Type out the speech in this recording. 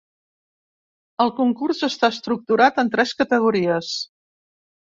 El concurs està estructurat en tres categories.